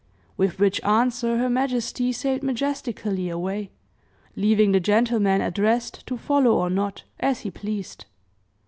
With which answer, her majesty sailed majestically away, leaving the gentleman addressed to follow or not, as he pleased.